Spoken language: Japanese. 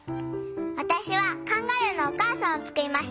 わたしはカンガルーのおかあさんをつくりました。